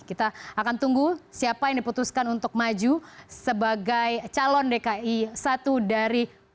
kita akan tunggu siapa yang diputuskan untuk maju sebagai calon dki satu dari dua